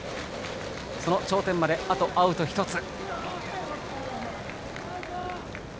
その頂点まで、あとアウト１つ。